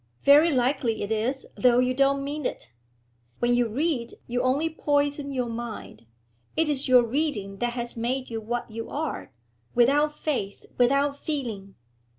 'Very likely it is, though you don't mean it. When you read, you only poison your mind. It is your reading that has made you what you are, without faith, without feeling.